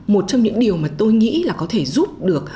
một trong những điều mà tôi nghĩ là có thể giúp được